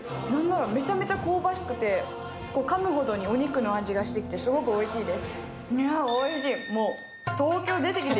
めちゃめちゃ香ばしくてかむほどにお肉の味がしてきてすごくおいしいです。